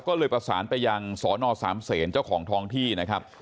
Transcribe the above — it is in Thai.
ก็เลยประสานไปยังสนสามเศษเจ้าของท้องที่นะครับ